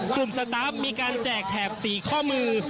กลุ่มสตาฟมีการแจกแถบสี่ข้อมือ